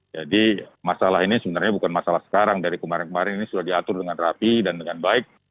jadi masalah ini sebenarnya bukan masalah sekarang dari kemarin kemarin ini sudah diatur dengan rapi dan dengan baik